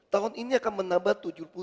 tahun ini akan menambah tujuh puluh tujuh